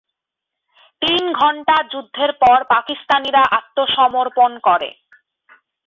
তিন ঘণ্টা যুদ্ধের পর পাকিস্তানিরা আত্মসমর্পণ করে।